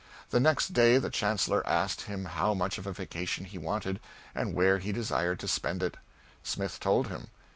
The next day the chancellor asked him how much of a vacation he wanted, and where he desired to spend it. Smith told him.